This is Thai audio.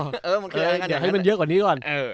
เดี๋ยวให้มันเยอะกว่านี้ก่อน